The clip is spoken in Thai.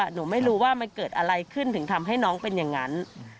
หนูไม่รู้ว่ามันเกิดอะไรขึ้นถึงทำให้น้องเป็นอย่างนั้น